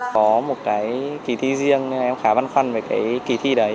có một cái kỳ thi riêng em khá băn khoăn về cái kỳ thi đấy